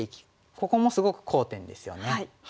ここもすごく好点ですよね。